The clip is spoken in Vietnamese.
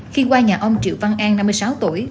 khi qua nhà ông triệu văn an năm mươi sáu tuổi